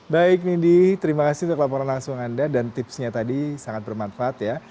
baik nindi terima kasih untuk laporan langsung anda dan tipsnya tadi sangat bermanfaat ya